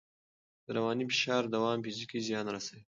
د رواني فشار دوام فزیکي زیان رسوي.